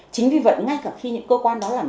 chính vì vậy ngay cả khi những cơ quan đó làm